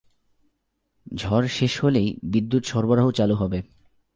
ঝড় শেষ হলেই বিদ্যুৎ সরবরাহ চালু হবে।